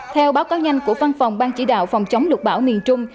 theo báo cáo nhanh của văn phòng ban chỉ đạo phòng chống lục bão miền trung